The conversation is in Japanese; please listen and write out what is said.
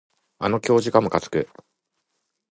あの教授がむかつく